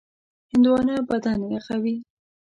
هندوانه بدن یخوي.